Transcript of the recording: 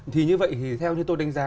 thì như vậy thì theo như tôi đánh giá